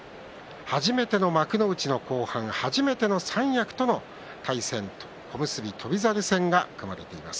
初めての幕内の後半初めての三役小結との対戦翔猿との対戦が組まれています。